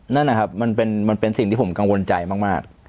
นั่นนะครับมันเป็นสิ่งที่ผมกังวลใจมาก